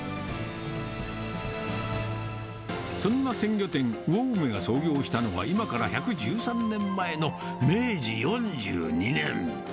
そんな鮮魚店、魚梅が創業したのは今から１１３年前の明治４２年。